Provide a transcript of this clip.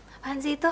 apaan sih itu